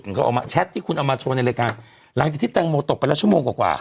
เขาเอามาแชทที่คุณเอามาโชว์ในรายการหลังจากที่แตงโมตกไปแล้วชั่วโมงกว่ากว่า